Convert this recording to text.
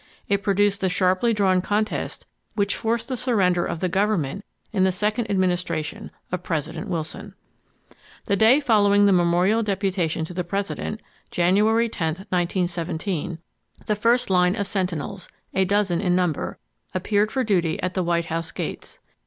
It produced the sharply drawn contest which forced the surrender of the government in the second Administration of President Wilson. The day following the memorial deputation to the President, January 10th, 1917, the first line of sentinels, a dozen in number, appeared for duty at the White House gates.